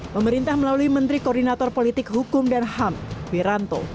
pemerintah melalui menteri koordinator politik hukum dan ham wiranto